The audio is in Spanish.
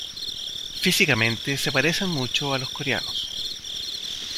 Físicamente se parecen mucho a los coreanos.